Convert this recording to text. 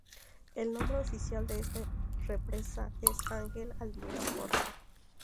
El nombre oficial de esta represa es Ángel Albino Corzo.